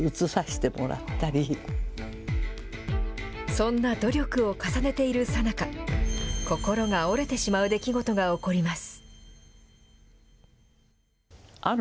そんな努力を重ねているさなか、心が折れてしまう出来事が起こります。